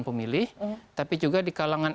pemilih tapi juga di kalangan